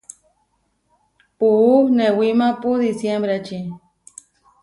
Puú newímapu disiémbreči.